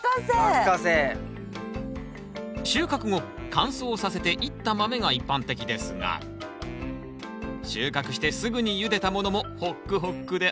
収穫後乾燥させて煎った豆が一般的ですが収穫してすぐにゆでたものもホックホックで甘いんです